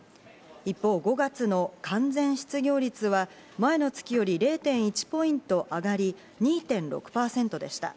一方、５月の完全失業率は前の月より０．１ポイント上がり２．６％でした。